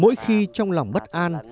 mỗi khi trong lòng bất an